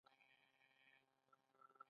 هسې، نه بیا هم، دا پوښتنه زور غواړي.